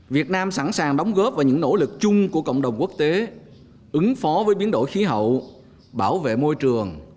việt nam sẵn sàng đóng góp vào những nỗ lực chung của cộng đồng quốc tế ứng phó với biến đổi khí hậu bảo vệ môi trường